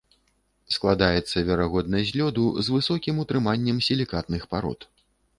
Складаецца верагодна з лёду з высокім утрыманнем сілікатных парод.